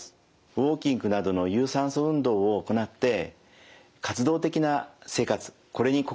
ウォーキングなどの有酸素運動を行って活動的な生活これに心掛けてください。